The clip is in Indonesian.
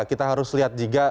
kita harus lihat juga